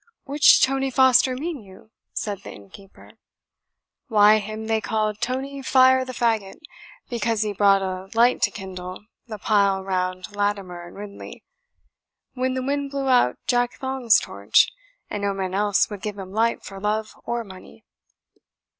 "Which Tony Foster mean you?" said the innkeeper. "Why, him they called Tony Fire the Fagot, because he brought a light to kindle the pile round Latimer and Ridley, when the wind blew out Jack Thong's torch, and no man else would give him light for love or money."